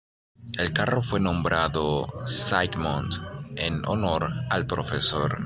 El carro fue nombrado Zygmunt en honor al profesor.